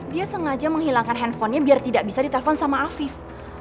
dia sengaja menghilangkan handphonenya biar tidak bisa ditelepon sama afif